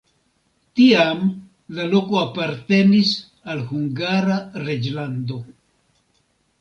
Tiam la loko apartenis al Hungara reĝlando.